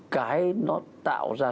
cái nó tạo ra